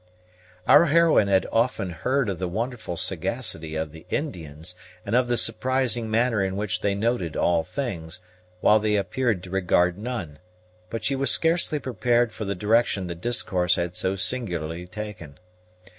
Our heroine had often heard of the wonderful sagacity of the Indians, and of the surprising manner in which they noted all things, while they appeared to regard none; but she was scarcely prepared for the direction the discourse had so singularly taken.